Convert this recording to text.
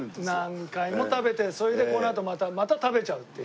何回も食べてそれでこのあとまた食べちゃうっていうね。